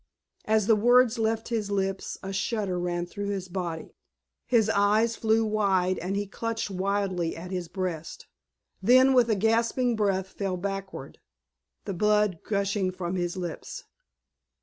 As the words left his lips a shudder ran through his body, his eyes flew wide, and he clutched wildly at his breast; then with a gasping breath fell backward, the blood gushing from his lips.